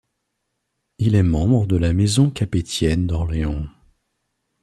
Il est membre de la maison capétienne d’Orléans.